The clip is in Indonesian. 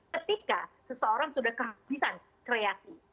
ketika seseorang sudah kehabisan kreasi